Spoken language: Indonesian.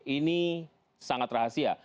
ini sangat rahasia